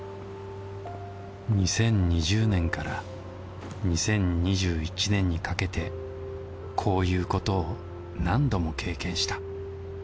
２０２０年から２０２１年にかけてこういうことを何度も経験した。